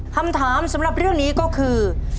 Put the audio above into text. คำถามสำหรับเรื่องนี้ก็คือ